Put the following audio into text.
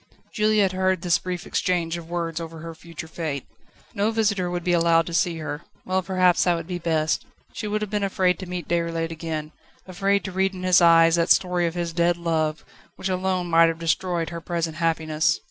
Juliette heard this brief exchange of words over her future fate. No visitor would be allowed to see her. Well, perhaps that would be best. She would have been afraid to meet Déroulède again, afraid to read in his eyes that story of his dead love, which alone might have destroyed her present happiness.